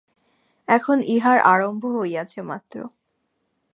এখন ইহার আরম্ভ হইয়াছে মাত্র।